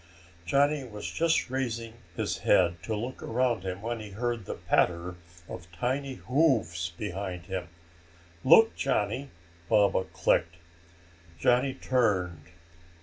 Johnny was just raising his head to look around when he heard the patter of tiny hooves behind him. "Look, Johnny!" Baba clicked. Johnny turned.